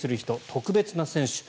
特別な選手だ。